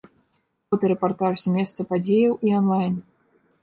Фотарэпартаж з месца падзеяў і анлайн.